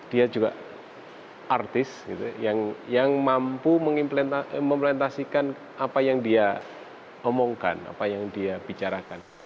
dia juga artis yang mampu mengimplementasikan apa yang dia omongkan apa yang dia bicarakan